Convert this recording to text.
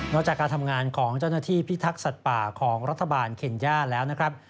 จากการทำงานของเจ้าหน้าที่พิทักษัตว์ป่าของรัฐบาลเคนย่าแล้วนะครับ